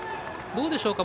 どうでしょうか。